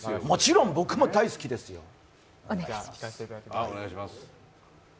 もちろん僕も大好きですよ。